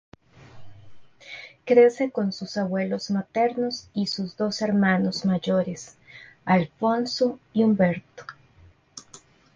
Crece con sus abuelos maternos y sus dos hermanos mayores, Alfonso y Humberto.